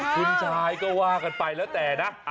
คุณชายก็ว่ากันไปแล้วแต่นะ